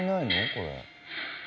これ。